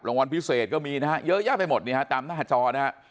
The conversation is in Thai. รางวัลพิเศษก็มีนะเยอะแยะไปหมดเนี่ยตามหน้าจอนะ